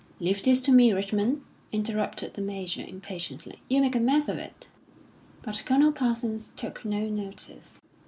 "Leave this to me, Richmond," interrupted the Major, impatiently. "You'll make a mess of it." But Colonel Parsons took no notice.